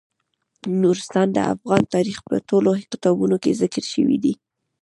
نورستان د افغان تاریخ په ټولو کتابونو کې ذکر شوی دی.